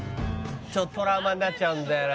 トラウマになっちゃうんだよな。